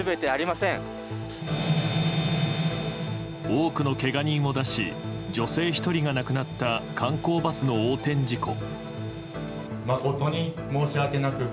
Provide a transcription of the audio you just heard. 多くのけが人を出し女性１人が亡くなった観光バスの横転事故。